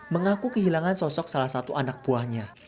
mengaku kehilangan sosok salah satu anak buahnya